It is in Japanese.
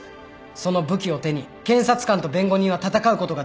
その武器を手に検察官と弁護人は戦うことができるのです。